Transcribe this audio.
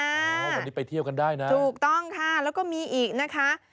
วันนี้ไปเที่ยวกันได้นะถูกต้องค่ะแล้วก็มีอีกนะคะ